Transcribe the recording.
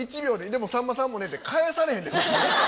でもさんまさんもね」って返されへんで普通。